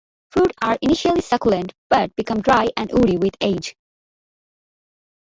Fruit are initially succulent but become dry and woody with age.